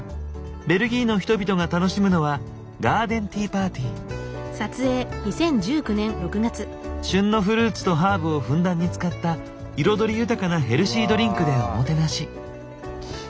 ベルギーの人々が楽しむのは旬のフルーツとハーブをふんだんに使った彩り豊かなヘルシードリンクでおもてなし。